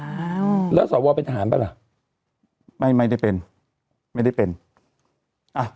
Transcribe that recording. อ้าวแล้วสวเป็นทหารปะล่ะไม่ไม่ได้เป็นไม่ได้เป็นอ่ะ